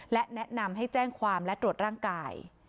และแนะนำให้แจ้งความและตรวจร่างกาย